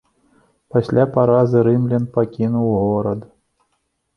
Пасля паразы рымлян пакінуў горад.